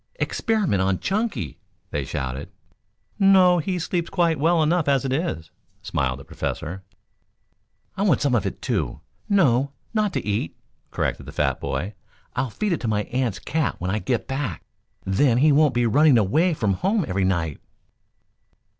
"Experiment on Chunky," they shouted. "No; he sleeps quite well enough as it is," smiled the Professor. "I want some of it too no, not to eat," corrected the fat boy. "I'll feed it to my aunt's cat when I get back; then he won't be running away from home every night."